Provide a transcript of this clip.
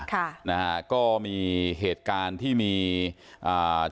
ค่ะนะฮะก็มีเหตุการณ์ที่มีอ่า